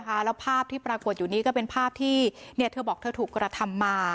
แล้วภาพที่ปรากฏอยู่นี้ก็เป็นภาพที่เธอบอกเธอถูกกระทำมา